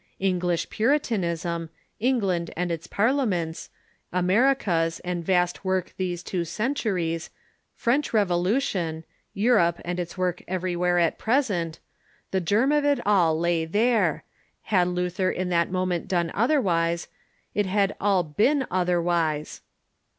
English Puri tanism, England and its parliaments, Americas and vast work these two centuries ; French Revolution, Europe and its work everywhere at present : the germ of it all la}^ there ; had Luther in that moment done otherwise, it had all been other wise